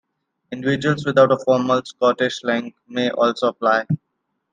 Individuals without a formal Scottish link may also apply.